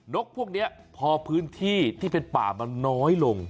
กพวกนี้พอพื้นที่ที่เป็นป่ามันน้อยลง